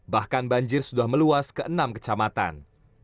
bahkan banjir sudah meluas ke enam kecamatan